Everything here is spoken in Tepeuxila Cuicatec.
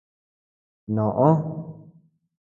Nòò.